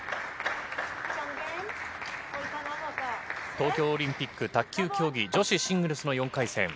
東京オリンピック卓球競技女子シングルスの４回戦。